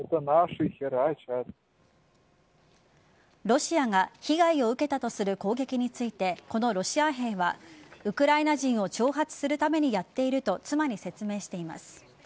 ロシアが被害を受けたとする攻撃についてこのロシア兵はウクライナ人を挑発するためにやっていると妻に説明しています。